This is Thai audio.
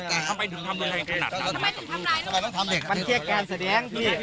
มันเชียงแกนแสดงพี่